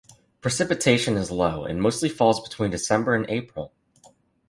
Precipitation is low, and mostly falls between December and April.